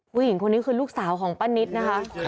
ผู้หญิงคนนี้คือลูกสาวของป้านิตนะคะ